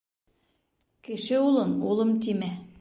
Кеше улын улым тимә.